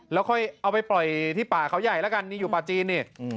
แล้วค่อยเอาไปปล่อยที่ป่าเขาใหญ่แล้วกันนี่อยู่ป่าจีนนี่